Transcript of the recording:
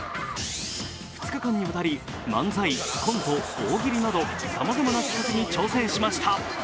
２日間にわたり、漫才、コント、大喜利などさまざまな企画に挑戦しました。